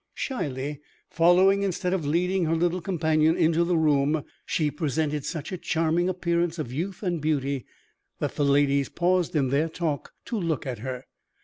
Shyly following instead of leading her little companion into the room, she presented such a charming appearance of youth and beauty that the ladies paused in their talk to look at her.